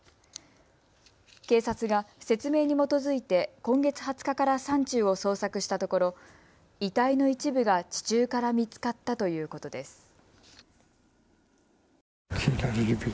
警察が説明に基づいて今月２０日から山中を捜索したところ遺体の一部が地中から見つかったということです。